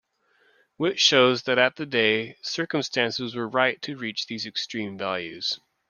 Which shows that at the day, circumstances were right to reach these extreme values.